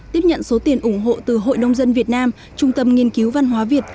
tiếp nhận số tiền ủng hộ từ hội nông dân việt nam trung tâm nghiên cứu văn hóa việt